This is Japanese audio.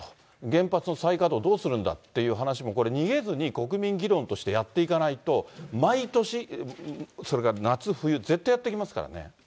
原発の再稼働、どうするんだって話を、これ逃げずに国民議論としてやっていかないと、毎年、それから夏、冬、絶対やって来ますからね。